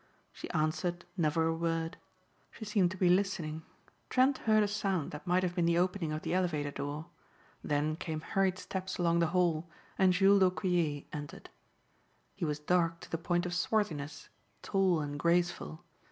She answered never a word. She seemed to be listening. Trent heard a sound that might have been the opening of the elevator door. Then came hurried steps along the hall and Jules d'Aucquier entered. He was dark to the point of swarthiness, tall and graceful.